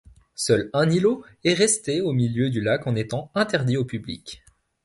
Seul un îlot est resté au milieu du lac en étant interdit au public.